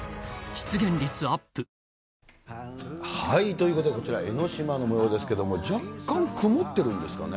ということで、こちら、江の島のもようですけれども、若干曇ってるんですかね。